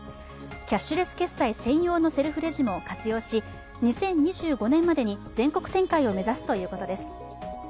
キャッシュレス決済専用のセルフレジも活用し、２０２５年までに全国展開を目指すということです。